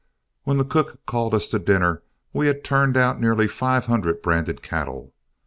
When the cook called us to dinner, we had turned out nearly five hundred branded cattle.